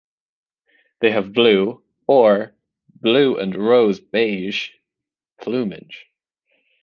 They have blue, or blue and rose beige, plumage.